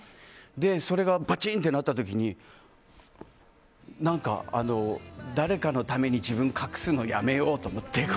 それがバチンとなった時に誰かのために自分を隠すのはやめようと思って。